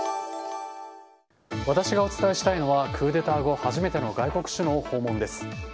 私がお伝えしたいのはクーデター後初めての外国首脳訪問です。